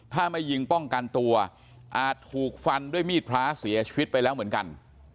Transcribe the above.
ถ้าไม่ยิงป้องกันตัวอาจถูกฟันด้วยมีดพระเสียชีวิตไปแล้วเหมือนกัน